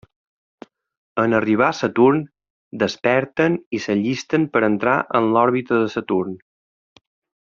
En arribar a Saturn, desperten i s'allisten per entrar en l'òrbita de Saturn.